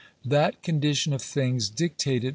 That condition of things dictated